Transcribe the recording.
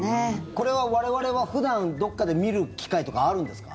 これは我々は普段、どこかで見る機会とかあるんですか？